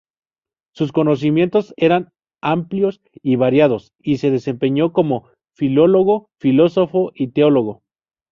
Sus conocimientos eran amplios y variados, y se desempeñó como filólogo, filósofo y teólogo.